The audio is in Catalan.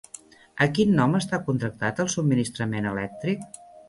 A quin nom està contractat el subministrament elèctric?